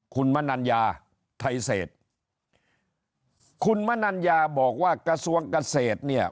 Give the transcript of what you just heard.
คุณมนัญญาไทเซศคุณมนัญญาบอกว่ากระทรวงกระเศษ